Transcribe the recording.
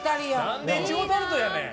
何でイチゴタルトやねん。